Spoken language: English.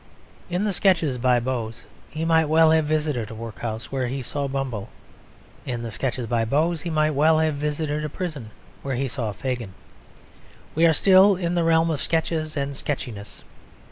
In the Sketches by Boz he might well have visited a workhouse where he saw Bumble; in the Sketches by Boz he might well have visited a prison where he saw Fagin. We are still in the realm of sketches and sketchiness.